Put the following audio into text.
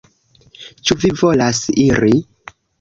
Ĉu vi volas iri?